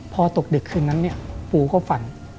พอตกดึกคืนนั้นปูก็ฝัน